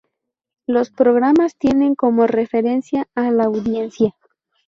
Los programas tienen como referencia a la audiencia.